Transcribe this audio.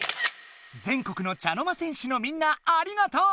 全国の茶の間戦士のみんなありがとう。